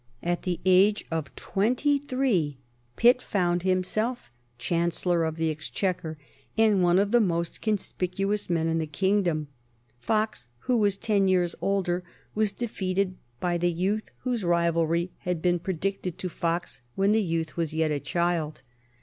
At the age of twenty three Pitt found himself Chancellor of the Exchequer, and one of the most conspicuous men in the kingdom. Fox, who was ten years older, was defeated by the youth whose rivalry had been predicted to Fox when the youth was yet a child.